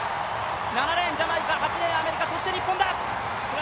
７レーン、ジャマイカ、８レーンアメリカ、そして日本だ！